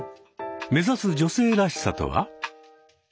目指す女性らしさとは？